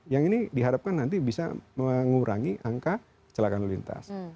yang ini diharapkan nanti bisa mengurangi angka celakaan lalu lintas